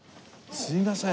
すいません。